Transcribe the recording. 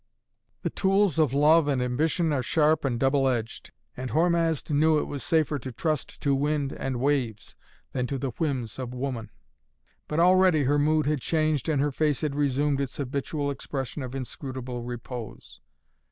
The tools of love and ambition are sharp and double edged, and Hormazd knew it was safer to trust to wind and waves than to the whims of woman. But already her mood had changed and her face had resumed its habitual expression of inscrutable repose.